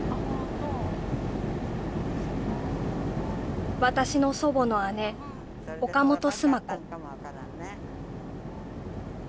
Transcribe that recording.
そう私の祖母の姉岡本須磨子